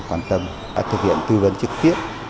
đã thực hiện tư vấn trực tiếp